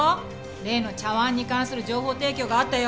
例の茶碗に関する情報提供があったよ。